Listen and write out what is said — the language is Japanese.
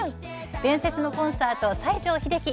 「伝説のコンサート西城秀樹」